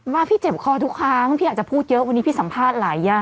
ว่าพี่เจ็บคอทุกครั้งพี่อาจจะพูดเยอะวันนี้พี่สัมภาษณ์หลายอย่าง